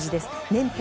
年俸